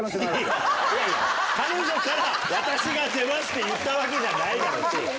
彼女から「私が出ます」って言ったわけじゃないだろう。